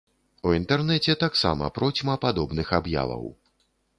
У інтэрнэце таксама процьма падобных аб'яваў.